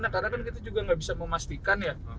nah kadang kadang kita juga nggak bisa memastikan ya